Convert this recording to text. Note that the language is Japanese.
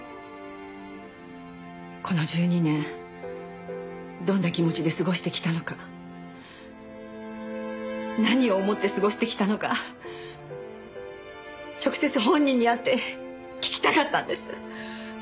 この１２年どんな気持ちで過ごしてきたのか何を思って過ごしてきたのか直接本人に会って聞きたかったんです。